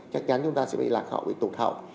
chắc chắn chúng ta sẽ bị lạc hậu bị tụt hậu